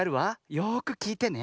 よくきいてね。